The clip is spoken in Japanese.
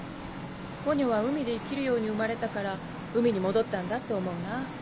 ポニョは海で生きるように生まれたから海に戻ったんだって思うな。